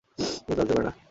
বলতে লজ্জা করে না?